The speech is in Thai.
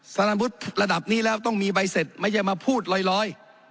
สารวุฒิระดับนี้แล้วต้องมีใบเสร็จไม่ใช่มาพูดลอย